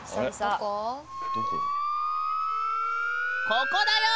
ここだよ